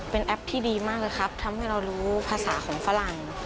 เป็นแอปที่ดีมากเลยครับทำให้เรารู้ภาษาของฝรั่ง